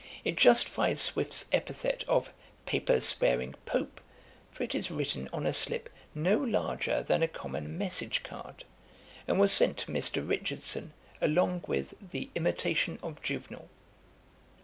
It justifies Swift's epithet of 'paper sparing Pope' for it is written on a slip no larger than a common message card, and was sent to Mr. Richardson, along with the Imitation of Juvenal.